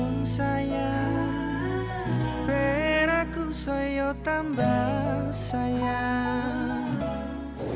kopi adalah yang terbaik untuk membeli kopi